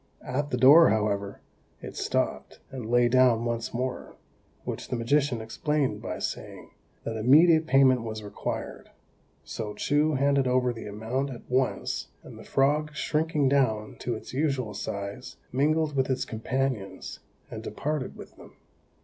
At the door, however, it stopped, and lay down once more, which the magician explained by saying, that immediate payment was required; so Chou handed over the amount at once, and the frog, shrinking down to its usual size, mingled with its companions, and departed with them.